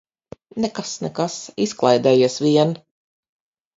Nekas, nekas, izklaidējies vien.